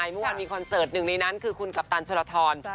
เมื่อวานมีคอนเสิร์ตหนึ่งในนั้นคือคุณกัปตันชลทร